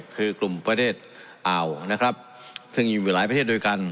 คือกลุ่มประเทศอ่าวนะครับซึ่งอยู่หลายประเทศด้วยกัน